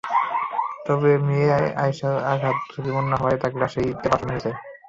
তবে মেয়ে আয়েশার আঘাত ঝুঁকিপূর্ণ হওয়ায় তাকে রাজশাহী হাসপাতালে পাঠানো হয়েছে।